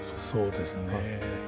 そうですね。